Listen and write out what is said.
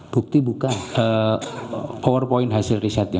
bukti bukan hasil riset